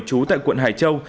trú tại quận hải châu